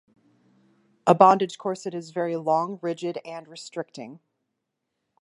A bondage corset is very long, rigid, and restricting.